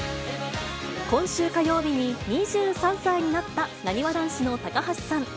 今週火曜日に２３歳になったなにわ男子の高橋さん。